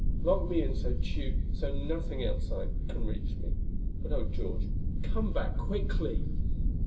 "Lock me in so Tugh so nothing outside can reach me. But, oh, George, come back quickly!"